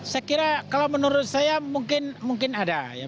saya kira kalau menurut saya mungkin ada ya